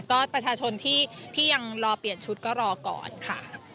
ก็ประชาชนที่ยังรอเปลี่ยนชุดก็รอก่อนค่ะ